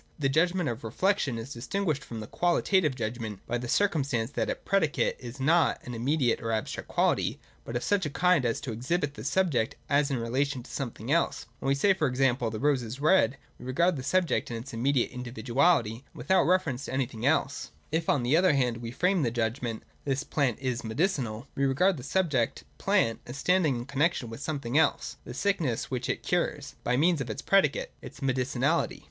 The Judgment of Reflection is distinguished from the Qualitative judgment by the circumstance that its predicate is not an immediate or abstract quality, but of such a kind as to exhibit the subject as in relation to something else. When we say, e.g. 'This rose is red,' we regard the subject in its X 2 3o8 THE DOCTRINE OF THE NOTION. [174, 175. immediate individuality, and without reference to anything else. If, on the other hand, we frame the judgment, ' This plant is medicinal,' we regard the subject, plant, as standing in connexion with something else (the sickness which it cures), by means of its predicate (its medicinahty).